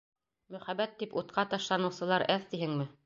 — Мөхәббәт тип утҡа ташланыусылар әҙ тиһеңме?